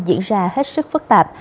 diễn ra hết sức phức tạp